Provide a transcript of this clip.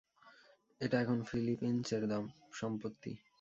এটা এখন ফিলিপিন্সের সম্পত্তি।